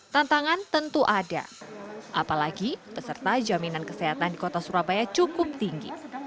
tantangan tentu ada apalagi peserta jaminan kesehatan di kota surabaya cukup tinggi